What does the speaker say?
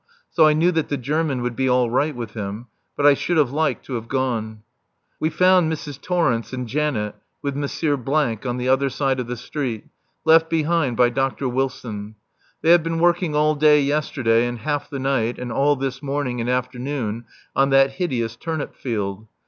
So I knew that the German would be all right with him. But I should have liked to have gone. We found Mrs. Torrence and Janet with M. on the other side of the street, left behind by Dr. Wilson. They have been working all day yesterday and half the night and all this morning and afternoon on that hideous turnip field.